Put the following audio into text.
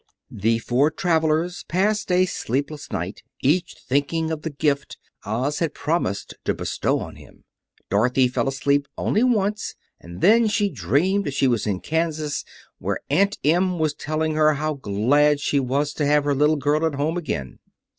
The four travelers passed a sleepless night, each thinking of the gift Oz had promised to bestow on him. Dorothy fell asleep only once, and then she dreamed she was in Kansas, where Aunt Em was telling her how glad she was to have her little girl at home again.